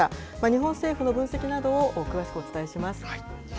日本政府の分析などを詳しくお伝えします。